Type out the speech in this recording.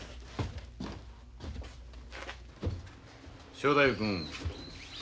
正太夫君。